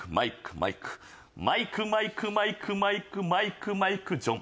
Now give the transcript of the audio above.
マイクマイクマイクマイクマイクマイクジョン。